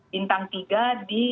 bintang tiga di